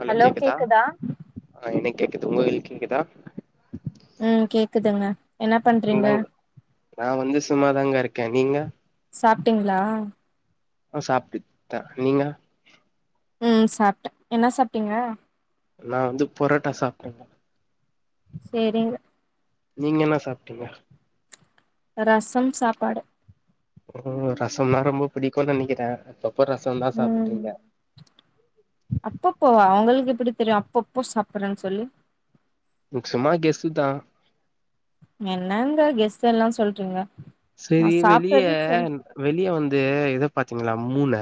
Hello கேக்குதா அ எனக்கு கேக்குது உங்களுக்கு வ கேக்குதா ம் கேக்குதுங்க என்ன பண்றீங்க இந்தாங் நா வந்து சும்மாதாங்க இருக்கே நீங்க சாப்ட்டீங்களா ஆ சாப்பிட்ட நீங்க ம் சாப்ட்டே என்ன சாப்ட்டீங்க நா வந்து பொரோட்டா சாப்ட்டேங்க சரிங்க நீங்க என்ன சாப்ட்டீங்க ரசம் சாப்பாடு ஓ ரசம் னா ரொம்ப புடிக்குனு நெனக்கிறே அப்பப்போ ரசோ தா ம் சாப்புட்றீங்க அப்பப்போவா ஒங்களுக்கு எப்பிடி தெரியு அப்பப்போ சாப்புட்றேனு சொல்லி உ சும்மா கெஸ்ஸு தா என்னங்க கெஸ்ஸெல்லா சொல்றீங்க நா செரி வெளிய சாப்ட்டது சொல் வெளிய வந்து இத பாத்தீங்களா மூன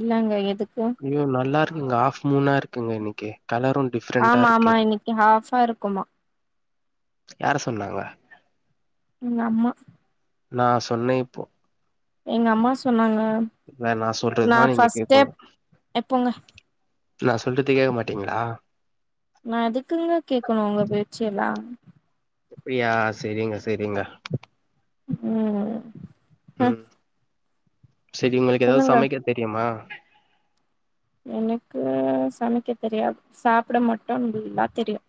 இல்லங்க எதுக்கு ஐயோ நல்லா இருக்குங்க ஆஃப் மூனா இருக்குங்க இன்னிக்கு கலரு ஆமா ஆமா இன்னெக்கு ஹாஃபா இருக்குமா யார சொன்னாங்க எங்க அம்மா நா சொன்னே இப்போ எங்க அம்மா சொன்னாங்க இல்ல நா சொல்றதுதா நீங்க கேக்கணு எப் போங்க நா சொல்றது கேக்க மாட்டீங்ளா நா எதுக்குங்க கேக்கணு ஒங்க பேச்ச எல்லா அப்ரியா செரிங்க செரிங்க ம் ம் செரி ஒங்களுக்கு ஏதாது சொல்லுங்க சமக்க தெரியுமா எனக்கு சமைக்க தெரியாது சாப்ட மட்டு நல்லா தெரியு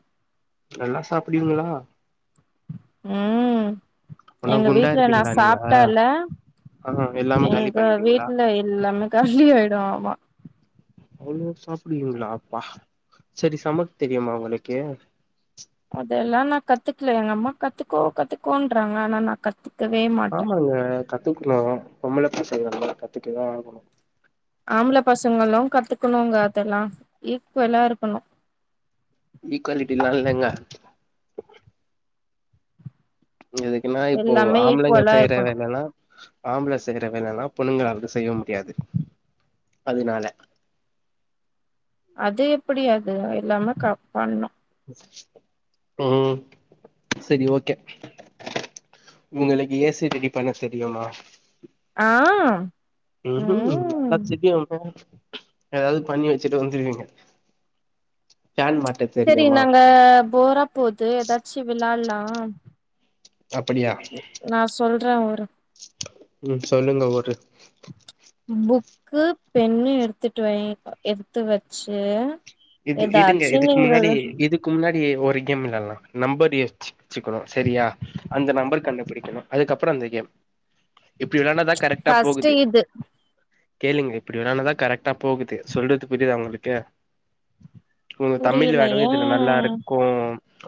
நல்லா சாப்டுவீங்களா ம் ஆனா எங்க குண்டா வீட்ல நா இருப்பீங்களா நீங்க சாப்ட்டால்ல ஆ எல்லாமே காலி எங்க பண்ணிடுவீங்களா வீட்ல எல்லாமே காலி ஆயிடு ஆமா அவ்ளோ சாப்டுவீங்ளா அப்பா செரி சமக்க தெரியுமா ஒங்களுக்கு அதெல்லா நா கத்துக்கல எங்க அம்மா கத்துக்கோ கத்துக்கோன்றாங்க ஆனா நா கத்து ஆமாங்க கத்துக்குணு பொம்பள பசங்கல்ல கத்துக்குனுதா ஆகணு ஆம்பள பசங்களு கத்துக்கணுங்க அதெல்லா ஈக்வலா இருக்கணு ஈக்வாலிட்டிலா இல்லங்க எதுக்குனா இப்போ எல்லாமே ஆம்பளைங்க ஈக்குவலா செய்ற இருக்கணு வேலனா ஆம்பள செய்ற வேலலா பொண்ணுங்களாவது செய்ய முடியாது அதுனால அது எப்டி அது எல்லாமே கப் பண்ணு ம் சரி ஓகே உங்களுக்கு ஏ சி ரெடி பண்ண தெரியுமா ஆ உ ஹூ நல்லா ம் தெரியும்ங்க ஏதாது பண்ணி வெச்சுட்டு வந்துருவீங்க கேன் மாட்டது செரி நாங்க போரா போது எதாச்சு விளால்லா அப்டியா சொல்றே ஒரு உ சொல்லுங்க ஒரு புக்கு பென்னு எடுத்துட்டு வை எடுத்து வச்சு எதாச்சு ஒரு க்கு முன்னாடி ஒரு கேம் விளால்லலா நம்பர் யோசிச்சு வெச்சிக்கணு சரியா அந்த நம்பர் கண்டுபிடிக்கணு அதுக்கப்றோ இந்த கேம் இப்டி விளாண்டாதா கரெக்ட்டா ஃபஸ்ட்டு போகுது இது கேளுங்க இப்டி வெளானாதா கரெக்டா போகுது சொல்றது புரியுதா ஒங்களுக்கு உங்க தமிழ் புரியல வேடு வந்து ஏ இதுல நல்லா இருக்கோம்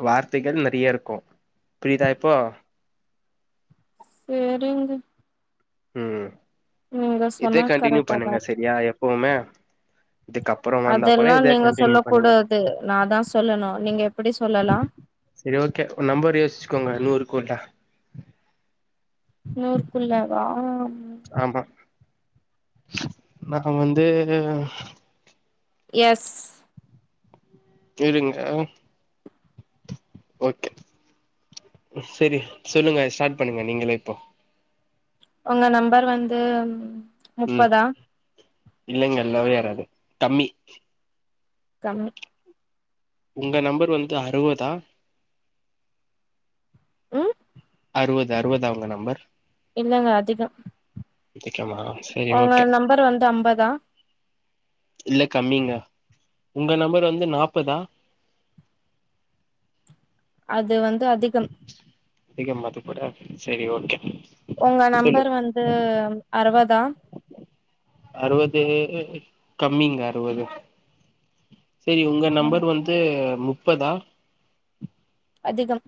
வார்த்தைகள் நறிய இருக்கு புரியுதா இப்போ செரிங்க ம் நீங்க இதே சொன்னா கண்டினியூ கரெக்டா தா பண்ணுங்க இருக்கு செரியா எப்பவுமே இதுக்கப் அதெல்லா நீங்க சொல்ல கூடாது நா தா சொல்லணு நீங்க எப்டி சொல்லலா செரி ஓகே ஒரு நம்பர் யோசிச்சுக்கோங்க நூறுக்குள்ள நூறுக்குள்ளாவா ஆமா நா வந்து எஸ் இருங்க ஓகே சரி சொல்லுங்க ஸ்டார்ட் பண்ணுங்க நீங்களே இப்போ உங்க நம்பர் வந்து முப்பதா இல்லங்க இல்லவே எராது கம்மி கம்மி உங்க நம்பர் வந்து அறுவதா ம் அறுவது அறுவதா உங்க நம்பர் இல்லங்க அதிகொ அதிகமா செரி உங்க ஓகே நம்பர் வந்து அம்பதா இல்ல கம்மிங்க உங்க நம்பர் வந்து நாப்பதா அது வந்து அதிகம் அதிகமா அது கூட சரி ஓகே ஒங்க சொல்லு நம்பர் வந்து அறுவதா அறுவது கம்மிங்க அறுவது சரி உங்க ம் நம்பர் வந்து முப்பதா அதிகம்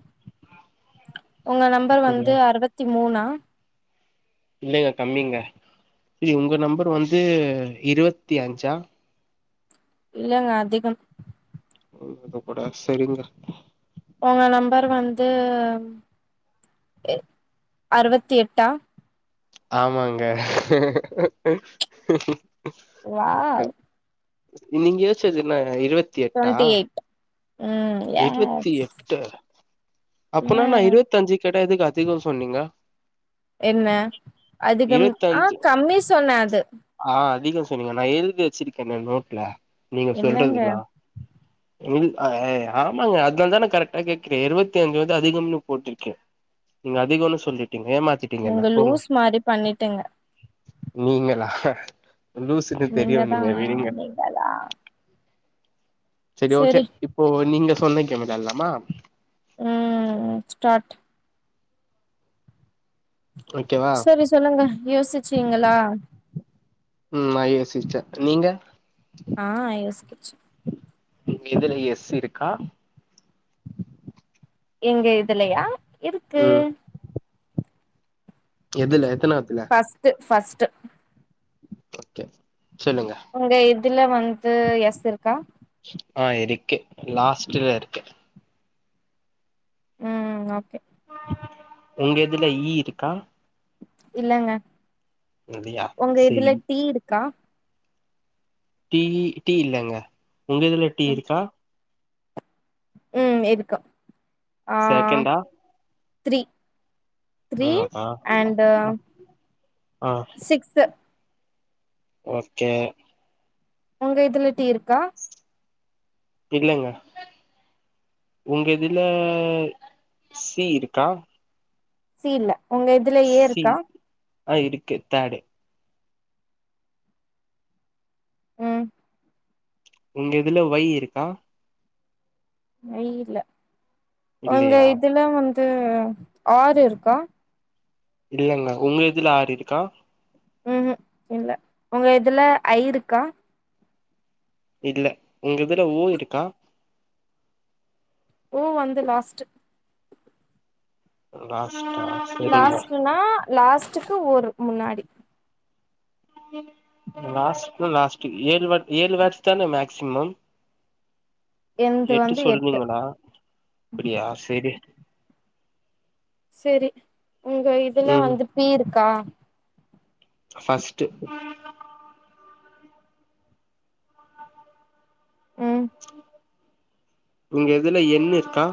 ஒங்க நம்பர் அப்படியா வந்து அறுவத்தி மூணா இல்லங்க கம்மிங்க சரி உங்க நம்பர் வந்து இருவத்தி அஞ்சா இல்லங்க அதிகம் [unintelligible] கூட சேரிங்க உங்க நம்பர் வந்து எ அறுவத்தி எட்டா ஆமாங்க வாவ் நீங்கயோச்சது என்னங்க இருவத் டுவென்டி எயிட் ம் இருவத்தி எஸ் எட்டா அப்பனா நா ம் இருவத்தஞ்சு கெடயாதுக்கு அதிகோ சொன்னீங்க என்ன அதிகம் ஆ கம்மி சொன்னே அது ஆ அதிகோ சொன்னீங்க நா எழுதி வச்சிருக்கேனே நோட்ல நீங்க இல்லங்க சொல்றதுல்லா எழுத் அ அ ஆமாங்க அதுனாலதா நா கரெக்டா கேக்குறே இருவத்தஞ்சு வந்து அதிகம்ன்னு போட்டுருக்கே நீங்க அதிகம்ன்னு சொல்லிட்டீங்க ஏமாத்திட் டிங்கன நீங்க போங்க லூஸ் மாரி பண்ணிட்டீங்க நீங்களா லூசுன்னு தெரியு நீங்கதா நீங்க விடுங்க நீங்கதா செரி ஓகே இப்போ நீங்க சொன்ன கேம் வெளால்லாமா ம் ஸ்டார்ட் ஓகேவா? செரி சொல்லுங்க யோசிசீங்களா ம் நா யோசிச்சே நீங்க ஆ யோசிக்கிச்சு உங்க இதுல எஸ் இருக்கா எங்க இதுலயா இருக்கு ம் எதுல்ல எத்தனா எத்தில ஃபஸ்ட்டு ஃபஸ்ட் ஓகே சொல்லுங்க உங்க இதுல வந்து எஸ் இருக்கா ஆ இருக்கு லாஸ்ட்ல இருக்கு ம் ஓகே உங்க இதுல ஈ இருக்கா இல்லங்க இல்லையா உங்க இதுல சரி டீ இருக்கா டீ டீ இல்லங்க உங்க இதுல டீ ம் இருக்கா ம் இருக்கு ஆ செகண்டா த்ரீ த்ரீ மூணாவதா அண்ட் ஆ சிக்ஸ்சு ஓகே உங்க இதுல ட்டீ இருக்கா இல்லங்க உங்க இதுல சி இருக்கா சி இல்ல உங்க இ சி ஆ இருக்கு தேர்டு உம் உங்க இதுல வொய் இருக்கா வொய் இல்ல உங்க இல்லையா இதுல வந்து ஆர் இருக்கா இல்லங்க உங்க இதுல ஆரு இருக்கா ம் ஹும் இல்ல உங்க இதுல ஐ இருக்கா இல்ல உங்க இதுல ஓ இருக்கா ஓ அந்த லாஸ்ட்டு லாஷ்ட்டா லாஸ்ட்டுன்னா லாஸ்ட்டுக்கு ஒரு முன்னாடி லாஸ்ட்னா லாஸ்ட்டு ஏழு வாட் ஏழு வேக்ஸு தான மேக்ஸிமம் என்து எட்டு வந்து எட் சொல்னீங்களா அப்புடியா செரி செரி உங்க இதுல ம் வந்து பி இருக்கா ஃபர்ஸ்ட்டு உம் உங்க இதுல என் இருக்கா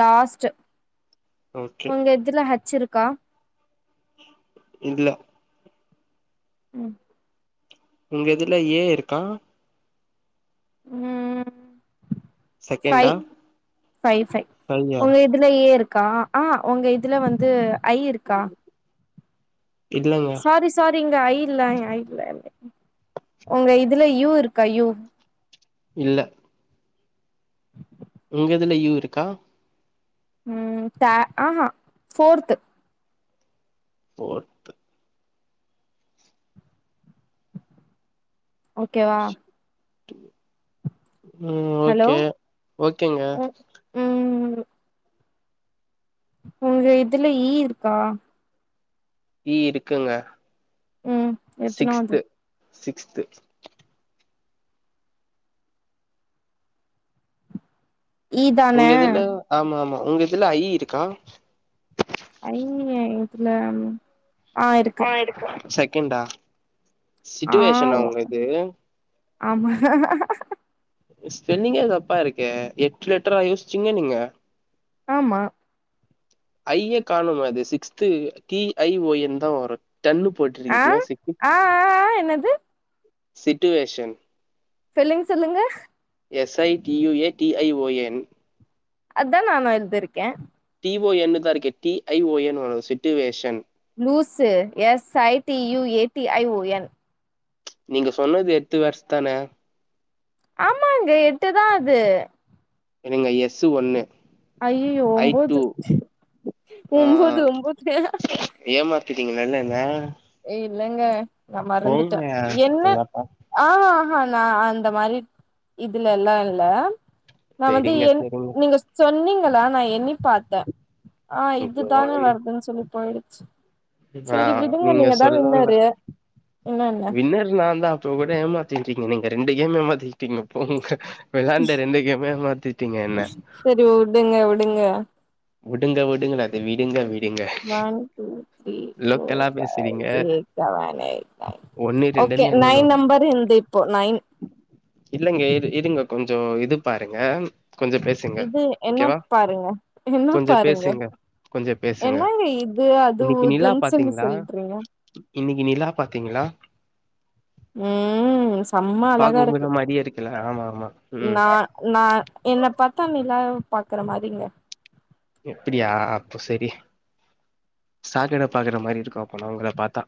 லாஸ்ட்டு ஓகே இதுல ஹச்சிருக்கா இல்ல ம் உங்க இதுல ஏ இருக்கா ம் பைவ் செகண்டா பைவ் பைவ் ஃபையா உங்க இது இதுல ஏ இருக்கா ஆ உங்க இதுல வந்து ஐ இருக்கா இல்லங்க சாரி சாரிங்க ஐ இல்ல ஐ இல்ல உங்க இதுல யூ இருக்கா யூ இல்ல உங்க இதுல யூ இருக்கா ம் ஆ த ஆஹ ஃபோர்த் ஃபோர் ஓகேவா உம் ஹலோ ஓகே ஓகேங்க ம் ம் உங்க இதுல ஈ இருக்கா ஈ இருக்குங்க ம் எத்தனாவது சிக்ஸ்து சிக்ஸ்து ஈ தான உங்க இதுல ஆமா ஆமா உங்க இதுல ஐ இருக்கா ஐ எவுத்துல ஆ இருக்கு செகண்டா சுட்சுவெஷன்னா ஆமா உங்களுக்கு ஆமா ஸ்பெல்லிங்கே தப்பா இருக்கே எட்டு லட்டரா யோசிச்சீங்க நீங்க ஆமா ஐய காணும அது sixth T I O N தா வரு டன்னு ஆ போட்டிருக்கீங்க சி ஆ ஆ ஆ, என்னது சிட்டுவேஷன் ஃபெல்லிங் சொல்லுங்க S I T U A T I O A அதா நானு எழ்திர்க்கே டி ஓ என் னுதா இருக்கே T I O N situation லூசு S I T U A T I O N நீங்க சொன்னது எட்டு வேட்ஸ் தான ஆமாங்க எட்டுதா அது என்னங்க எஸ்சு ஒன்னு அய்யய்யோ ஐ டூ ஒம்போது ஒம்போது ஒம்போது ஏமாத்திட்டீங்க நனன்ன ஏ இல்லங்க நா மரந்துட்டே என்ன நல்லா பா- ஆஹாஹ்ஹா நா அந்த மாரி இதுல லா இல்ல நா வந்து சரிங்க எங் சரிங்க நீங்க ஸ்கூ சொன்னீங்களா நா எண்ணி பாத்தே ஆ ஐயோ, இதுதானே எனக்கு- வருதுன்னு சொல்லி போயிடுச்சு ஆ செரி விடுங்க நீங்க நீங்கதா சொல்லல்லா வின்னரு என்ன என்ன வின்னர் நாந் தா இப்போ கூட ஏமாத்தீட்ரிங்க நீங்க ரெண்டு கேம் ஏமாத்தீட்ரிங்க போங்க விளாண்ட ரெண்டு கேம்மே ஏமாதிட்டீங்க என்ன டு உடுங்க உடுங்க விடுங்க விடுங்க இல்ல அது விடுங்க வி ஒன் டூ த்திரி லோக்கலா போர் பைவ் பேசுறீங்க சிக்ஸ் சேவண் எய்ட் நய்ன் ஒன்னு ஓகே ரெண்டுன்னு எண்ணணு நைன் நம்பரு இந்து இப்போ நைன் இல்லெங்க இரு இருங்க கொஞ்சோ இது பாருங்க கொஞ்சோ பெர்ஸ் இது என்னப் பாருங்க என்ன கொஞ்சோ பாருங்க பேசுங்க கொஞ்சோ பேசுங்க என்னாங்க இது அது உதுன்னு சொல்லிச் சொல்றீங்க இன்னிக்கி நிலா பாத்தீங்களா ம்ம் சம்மா அழகா பாக்க இருக்கு உங்கள மாரியே இருக்குல்ல ஆமா ஆமா ம் நா நா என்ன பாத்த நிலாவ பாக்குற மாரிங்க அப்பிடியா அப்போ செரி சாக்கட பாக்குற மாரி இருக்கு அப்போ நா உங்கள பாத்தா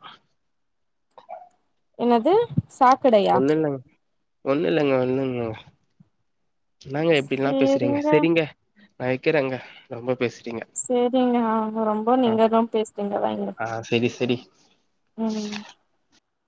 என்னது சாக்கடை ஒண்ணு இல்லங்க ஒண்ணு இல்லைங்க ஒண்ணுல்லேங்க இன்னாங்க இப்டிலா பேசுறீங்க சேரிங்க செரிங்க நா வெக்குறேங்க ரொம்ப பேசிட்டீங்க செரிங்க ஆ ரொம்ப நீங்க தா பேஸ்ட்டீங்க வைய்ங்கா ஆ செரி செரி ம்ம்